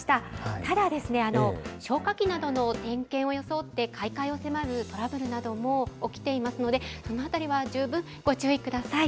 ただ、消火器などの点検を装って、買い替えを迫るトラブルなども起きていますので、そのあたりは十分ご注意ください。